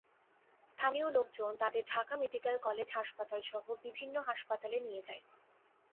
স্থানীয় লোকজন তাঁদের ঢাকা মেডিকেল কলেজ হাসপাতালসহ বিভিন্ন হাসপাতালে নিয়ে যায়।